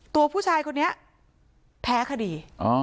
ตัวผู้ชายคนนี้แพ้คดี